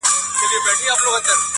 استاد تقویم الحق کاکاخیل لیکي